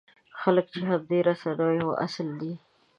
خلک چې د همدې رسنیو اصل دی.